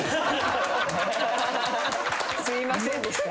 すいませんでした。